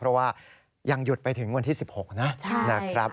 เพราะว่ายังหยุดไปถึงวันที่๑๖นะครับ